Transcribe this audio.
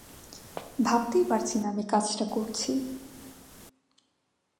ভাবতেই পারছি না আমি কাজটা করছি।